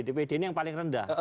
dpd ini yang paling rendah